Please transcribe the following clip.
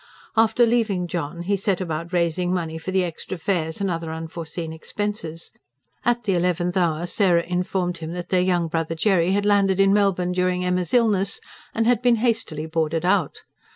After leaving John, he set about raising money for the extra fares and other unforeseen expenses: at the eleventh hour, Sarah informed him that their young brother Jerry had landed in Melbourne during Emma's illness, and had been hastily boarded out.